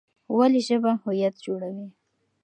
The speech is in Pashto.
ولې ژبه هویت جوړوي؟